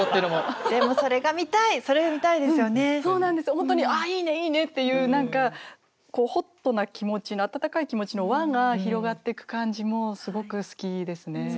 本当に「ああいいね！いいね！」っていう何かホットな気持ちの温かい気持ちの輪が広がってく感じもすごく好きですね。